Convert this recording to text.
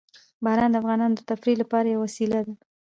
باران د افغانانو د تفریح لپاره یوه وسیله ده.